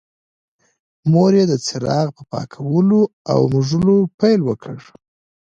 مور یې د څراغ په پاکولو او موږلو پیل وکړ.